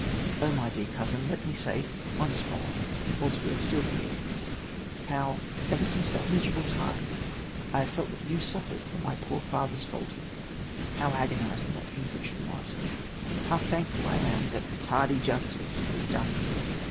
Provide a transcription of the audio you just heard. Oh, my dear cousin, let me say once more, whilst we are still here, how, ever since that miserable time, I have felt that you suffered for my poor father's fault—how agonizing that conviction was—how thankful I am that tardy justice was done you.